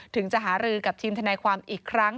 ถึงจะหารือกับทีมทนายความอีกครั้ง